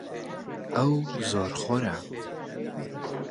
ئەو زۆرخۆرە.